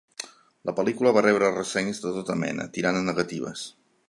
La pel·lícula va rebre ressenyes de tota mena, tirant a negatives.